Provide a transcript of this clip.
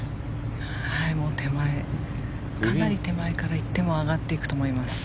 手前、かなり手前から行っても上がっていくと思います。